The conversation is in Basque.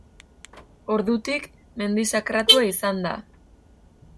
Ordutik mendi sakratua izan da.